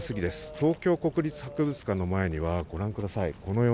東京国立博物館の前にはご覧ください